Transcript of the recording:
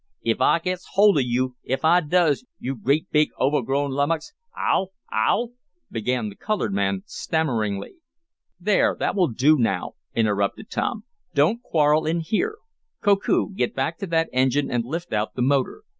"Ef I gits holt on yo' ef I does, yo' great, big, overgrown lummox, Ah'll Ah'll " began the colored man, stammeringly. "There. That will do now!" interrupted Tom. "Don't quarrel in here. Koku, get back to that engine and lift out the motor.